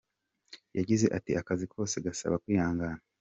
Yagize ati “Akazi kose gasaba kwihangana.